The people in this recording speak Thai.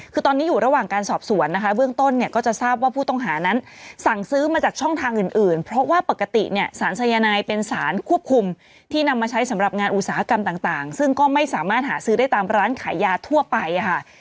คือตอนนี้อยู่ระหว่างการสอบสวนนะคะเบื้องต้นเนี่ยก็จะทราบว่าผู้ต้องหานั้นสั่งซื้อมาจากช่องทางอื่นเพราะว่าปกติเนี่ยสารสายนายเป็นสารควบคุมที่นำมาใช้สำหรับงานอุตสาหกรรมต่างซึ่งก็ไม่สามารถหาซื้อได้ตามร้านขายยาทั่วไปค่ะ